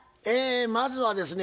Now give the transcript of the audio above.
まずはですね